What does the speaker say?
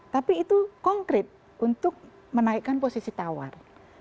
tapi itu konkret untuk menaikkan posisi tawar